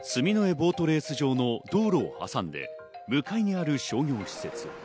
ボートレース場の道路を挟んで向かいにある商業施設。